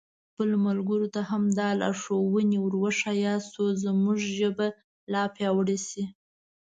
خپلو ملګرو ته هم دا لارښوونې ور وښیاست څو زموږ ژبه لا پیاوړې شي.